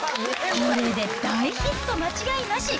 これで大ヒット間違いなし。